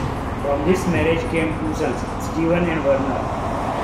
From this marriage came two sons, Steven and Werner.